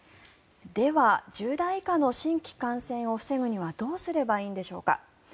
では、１０代以下の新規感染を防ぐにはどうすればいいんでしょうか。